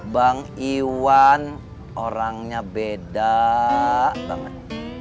bang iwan orangnya beda banget